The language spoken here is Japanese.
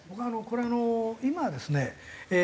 これ今はですね